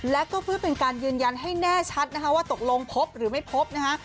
และก็เพื่อเป็นการยืนยันให้แน่ชัดนะคะว่าตกลงพบหรือไม่พบนะฮะ